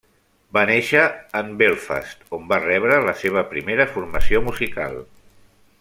Va néixer en Belfast, on va rebre la seva primera formació musical.